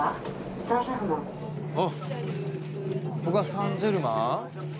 おここがサンジェルマン？